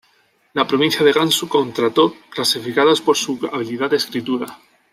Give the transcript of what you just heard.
La provincia de Gansu contrató, clasificados por su habilidad de escritura.